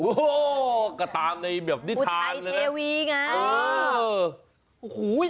โอ้โหตามในนิทานเลยนะอุทัยเทวีไง